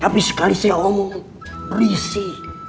tapi sekali saya omong berisi